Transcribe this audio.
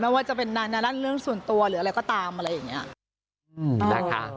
ว่าจะเป็นเรื่องส่วนตัวหรืออะไรก็ตามอะไรอย่างนี้นะคะ